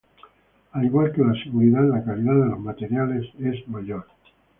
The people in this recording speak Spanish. Al igual que la seguridad, la calidad de los materiales es mayor.